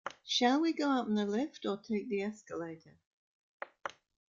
Shall we go up in the lift, or take the escalator?